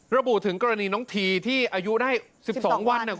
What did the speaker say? ระบุถึงกรณีน้องทีที่อายุได้๑๒วันเนี่ย